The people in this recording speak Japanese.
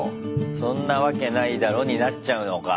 そんなわけないだろになっちゃうのか。